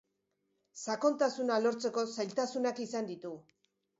Sakontasuna lortzeko zailtasunak izan ditu.